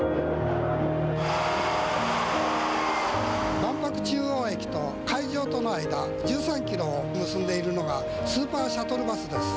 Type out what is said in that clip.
万博中央駅と会場との間１３キロを結んでいるのがスーパーシャトルバスです。